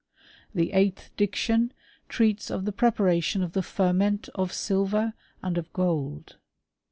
The eighth diction treats of the preparation of th# ferment of silver, and of gold.